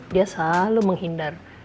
dia selalu menghindar